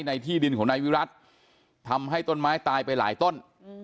ที่ดินของนายวิรัติทำให้ต้นไม้ตายไปหลายต้น